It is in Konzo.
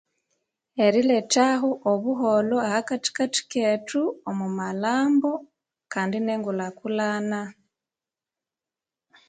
Erilethaho obuholho ahakathikathi kethu omwa malhambo kandi nengulhakulhana.